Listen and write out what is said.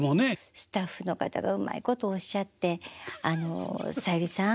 スタッフの方がうまいことおっしゃって「さゆりさん